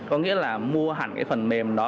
có nghĩa là mua hẳn cái phần mềm đó